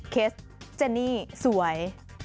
เคสเจนี่สวย